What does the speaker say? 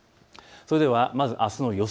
それではあすの予想